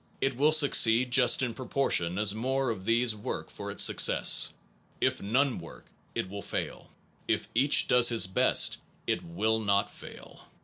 It will succeed just in proportion as more of these work for its success. If none work, it will fail. If each does his best, it will not fail.